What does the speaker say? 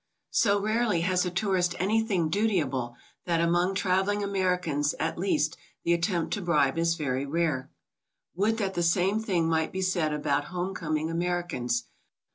So rarely has a tourist anything dutiable, that among traveling Americans, at least, the at tempt to bribe is very rare. Would that the same thing might be said about home coming Americans!